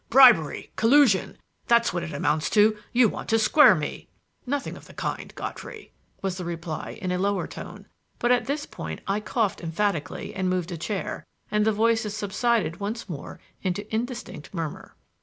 Bribery! Collusion! That's what it amounts to. You want to square me!" "Nothing of the kind, Godfrey," was the reply in a lower tone; but at this point I coughed emphatically and moved a chair, and the voices subsided once more into an indistinct murmur.